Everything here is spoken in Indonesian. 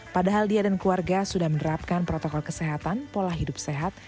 padahal dia dan keluarga sudah menerapkan protokol kesehatan pola hidup sehat